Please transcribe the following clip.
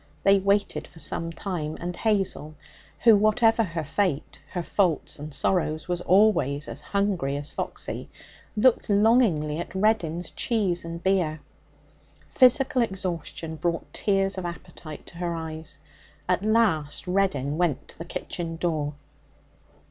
They waited for some time, and Hazel, who, whatever her fate, her faults and sorrows, was always as hungry as Foxy, looked longingly at Reddin's cheese and beer. Physical exhaustion brought tears of appetite to her eyes. At last Reddin went to the kitchen door.